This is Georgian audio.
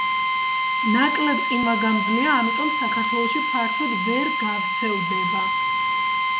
ნაკლებ ყინვაგამძლეა, ამიტომ საქართველოში ფართოდ ვერ გავრცელდება.